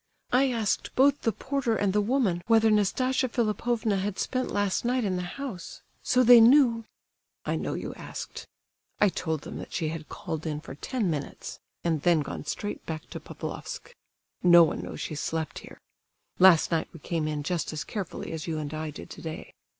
"I asked both the porter and the woman whether Nastasia Philipovna had spent last night in the house; so they knew—" "I know you asked. I told them that she had called in for ten minutes, and then gone straight back to Pavlofsk. No one knows she slept here. Last night we came in just as carefully as you and I did today.